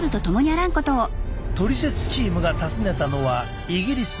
トリセツチームが訪ねたのはイギリス